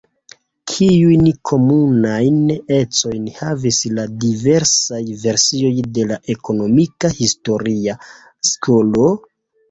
Kiujn komunajn ecojn havis la diversaj versioj de la ekonomika historia skolo?